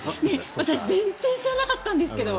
私全然知らなかったんですけど。